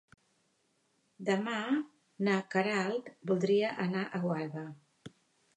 Demà na Queralt voldria anar a Gualba.